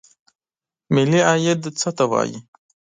ملي عاید څه ته وایي؟